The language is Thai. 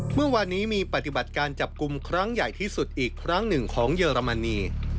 เมื่อวานนี้มีปฏิบัติการจับกลุ่มครั้งใหญ่ที่สุดอีกครั้งหนึ่งของเยอรมนี